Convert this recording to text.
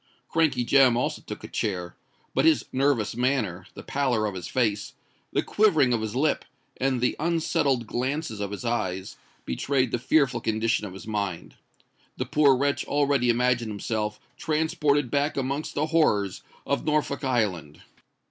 Crankey Jem also took a chair; but his nervous manner, the pallor of his face, the quivering of his lip, and the unsettled glances of his eyes, betrayed the fearful condition of his mind. The poor wretch already imagined himself transported back amongst the horrors of Norfolk Island!